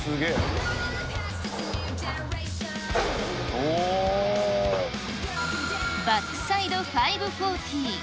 おー、バックサイド５４０。